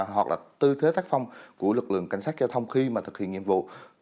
hoặc là tư thế tác phong của lực lượng cảnh sát giao thông khi mà thực hiện nhiệm vụ